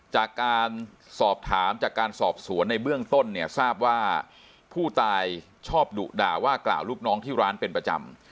จากการสอบถามจากการสอบสวนในเบื้องต้นเนี่ยทราบว่าผู้ตายชอบดุด่าว่ากล่าวลูกน้องที่ร้านเป็นประจำ